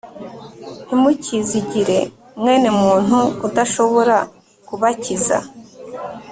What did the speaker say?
ntimukizigire mwene muntu udashobora kubakiza